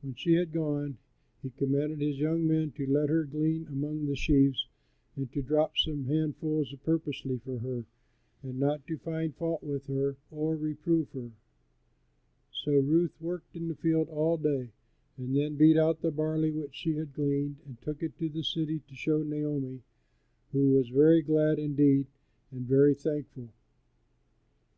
When she had gone he commanded his young men to let her glean among the sheaves and to drop some handfuls purposely for her, and not to find fault with her or reprove her. So Ruth worked in the field all day, and then beat out the barley which she had gleaned and took it to the city to show Naomi, who was very glad, indeed, and very thankful.